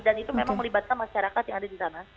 dan itu memang melibatkan masyarakat yang ada di sana